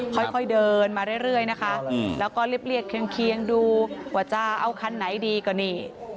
ค่อยเดินมาเรื่อยนะคะแล้วก็เรียบเคียงดูว่าจะเอาคันไหนดีก็นี่